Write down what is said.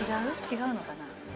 違うのかな？